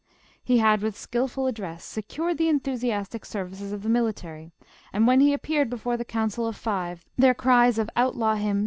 lie had, with skillful ad secured the enthusiastic services of the military, and when he appeared before the Council of Five, their cries of " Outlaw him